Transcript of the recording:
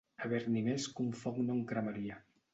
Haver-n'hi més que un foc no en cremaria.